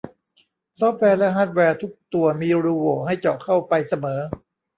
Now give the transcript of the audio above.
ซอฟต์แวร์และฮาร์ดแวร์ทุกตัวมีรูโหว่ให้เจาะเข้าไปเสมอ